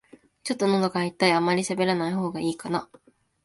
ちょっとのどが痛い、あまりしゃべらない方がいいな